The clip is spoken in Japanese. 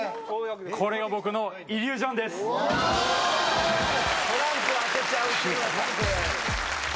これが僕のイリュージョンです。